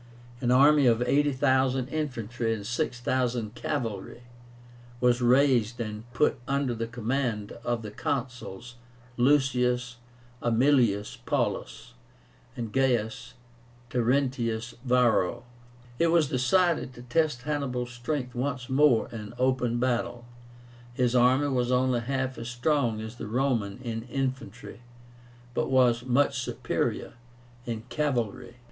An army of 80,000 infantry and 6,000 cavalry was raised and put under the command of the Consuls, LUCIUS ÆMILIUS PAULLUS and GAIUS TERENTIUS VARRO. It was decided to test Hannibal's strength once more in open battle. His army was only half as strong as the Roman in infantry, but was much superior in cavalry.